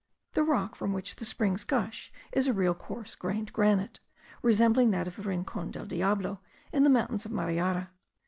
The rock from which the springs gush, is a real coarse grained granite, resembling that of the Rincon del Diablo, in the mountains of Mariara.